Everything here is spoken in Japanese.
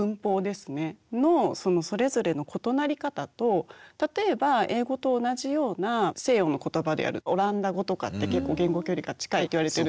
のそれぞれの異なり方と例えば英語と同じような西洋の言葉であるオランダ語とかって結構言語距離が近いって言われてるんですね。